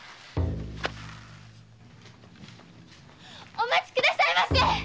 お待ち下さいませ！